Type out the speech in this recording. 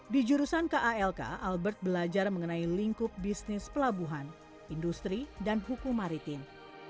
di jurusan kalk albert belajar mengenai lingkup bisnis pelabuhan industri dan hukum maritim